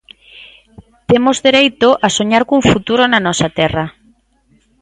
Temos dereito a soñar cun futuro na nosa terra.